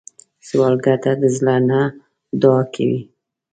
سوالګر د زړه نه دعا کوي